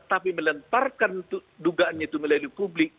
tapi melemparkan dugaannya itu melalui publik